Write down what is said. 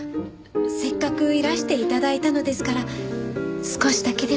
せっかくいらして頂いたのですから少しだけでも。